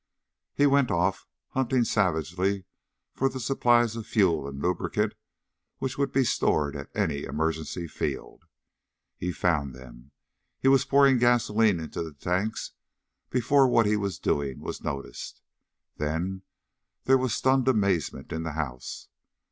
He went off, hunting savagely for the supplies of fuel and lubricant which would be stored at any emergency field. He found them. He was pouring gasoline into the tanks before what he was doing was noticed. Then there was stunned amazement in the house.